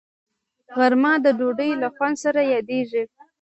غرمه د ډوډۍ له خوند سره یادیږي